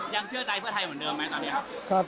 เชื่อใจเพื่อไทยเหมือนเดิมไหมตอนนี้ครับ